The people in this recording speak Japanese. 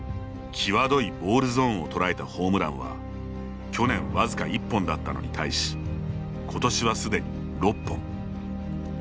際どいボールゾーンを捉えたホームランは去年僅か１本だったのに対し今年はすでに６本。